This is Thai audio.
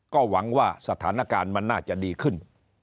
ก็หวังว่าสถานการณ์มันน่าจะดีขึ้น